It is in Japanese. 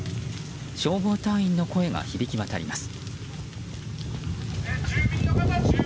消防隊員の声が響き渡ります。